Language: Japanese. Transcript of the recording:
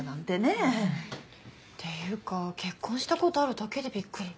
っていうか結婚した事あるだけでびっくり。